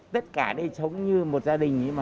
tất cả đây sống như một gia đình ấy mà